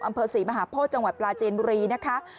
อำเภอศรีมหาโพธิจังหวัดปลาจีนบุรีนะคะ